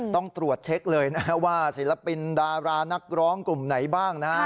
ต้องตรวจเช็คเลยนะว่าศิลปินดารานักร้องกลุ่มไหนบ้างนะฮะ